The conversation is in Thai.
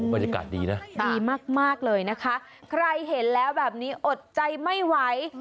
บรรยากาศดีนะดีมากเลยนะคะใครเห็นแล้วแบบนี้อดใจไม่ไหว